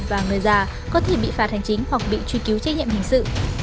và người già có thể bị phạt hành chính hoặc bị truy cứu trách nhiệm hình sự